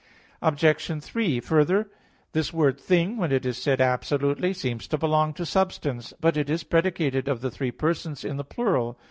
Obj. 3: Further, this word "thing" when it is said absolutely, seems to belong to substance. But it is predicated of the three persons in the plural.